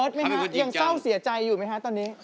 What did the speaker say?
เหิดไหมครับยังเศร้าเสียใจอยู่ไหมครับตอนนี้